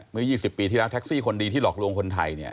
เมื่อ๒๐ปีที่แล้วแท็กซี่คนดีที่หลอกลวงคนไทยเนี่ย